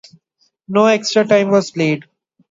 No extra time was played.